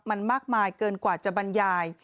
มันมากมายเกินกว่าจะบรรยาย